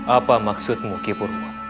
apa maksudmu kipur